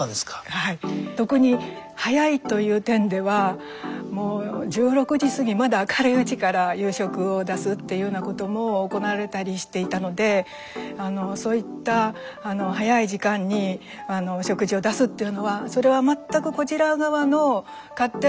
はい特に「早い」という点ではもう１６時過ぎまだ明るいうちから夕食を出すっていうようなことも行われたりしていたのでそういった早い時間に食事を出すっていうのはそれは全くこちら側の勝手な都合なんですね。